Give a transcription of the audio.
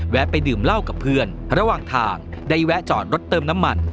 ไปดื่มเหล้ากับเพื่อนระหว่างทางได้แวะจอดรถเติมน้ำมัน